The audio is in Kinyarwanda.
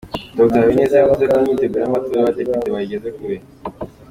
Dr Habineza yavuze ko imyiteguro y’amatora y’abadepite bayigeze kure.